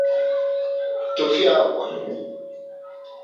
Tụfịakwa!